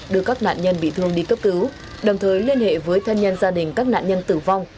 đưa các nạn nhân bị thương đi cấp cứu đồng thời liên hệ với thân nhân gia đình các nạn nhân tử vong